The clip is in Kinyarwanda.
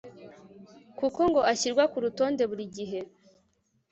kuko ngo ashyirwa ku rutonde buri gihe